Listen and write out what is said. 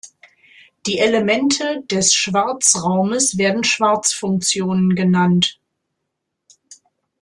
Die Elemente des Schwartz-Raums werden Schwartz-Funktionen genannt.